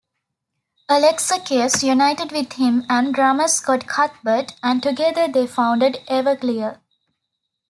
Alexakis united with him and drummer Scott Cuthbert, and together they founded Everclear.